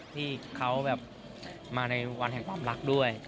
ที่เขาแบบมาในวันแห่งความรักด้วย